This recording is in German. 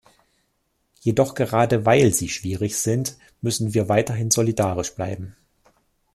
Jedoch gerade weil sie schwierig sind, müssen wir weiterhin solidarisch bleiben.